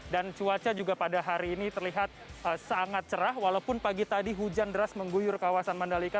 dan cuaca juga pada hari ini terlihat sangat cerah walaupun pagi tadi hujan deras mengguyur kawasan mandalika